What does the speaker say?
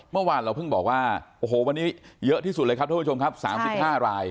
เมื่อวานเราเพิ่งบอกว่าโอ้โหวันนี้เยอะที่สุดเลยครับทุกผู้ชมครับ๓๕ราย